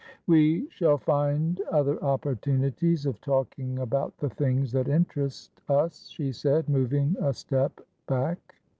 "We shall find other opportunities of talking about the things that interest us," she said, moving a step back.